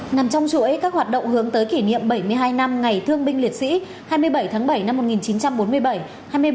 nằm trong chuỗi các hoạt động hướng tới kỷ niệm bảy mươi hai năm ngày thương binh liệt sĩ hai mươi bảy tháng bảy năm một nghìn chín trăm bốn mươi bảy